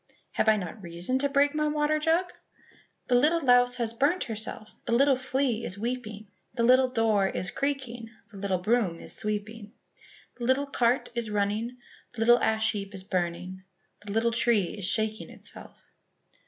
"Have I not reason to break my water jug?" "The little louse has burnt herself, The little flea is weeping, The little door is creaking, The little broom is sweeping, The little cart is running, The little ash heap is burning, The little tree is shaking itself."